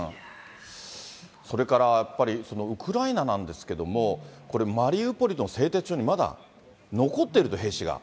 それから、やっぱりウクライナなんですけども、これ、マリウポリの製鉄所にまだ残ってると、兵士が。